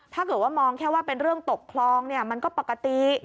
ถ้าเกิดว่ามองแค่ว่าเป็นเรื่องตกคลองเนี่ยมันก็ปกติ